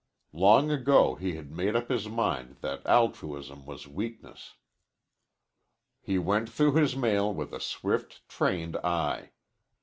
Long ago he had made up his mind that altruism was weakness. He went through his mail with a swift, trained eye.